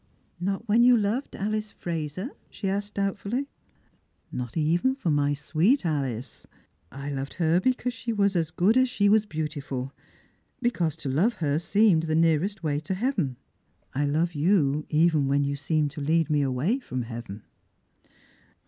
"Not when you loved Alice Fraser?" she asked doubtfully. " Not even for my sweet Alice. I loved her because she was as good as she was beautiful, because to love her seemed the nearest way to heaven. I love you even when you seemed to lead me away from heaven."